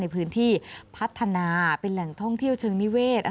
พื้นที่พัฒนาเป็นแหล่งท่องเที่ยวเชิงนิเวศ